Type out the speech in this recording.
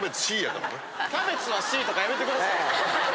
キャベツはＣとかやめてください。